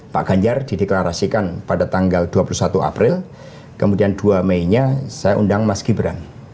pak ganjar dideklarasikan pada tanggal dua puluh satu april kemudian dua meinya saya undang mas gibran